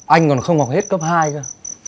anh còn không học hết cấp hai cơ